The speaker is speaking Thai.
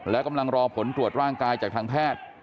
และกำลังรอผลตรวจร่างกายจากทางแพทย์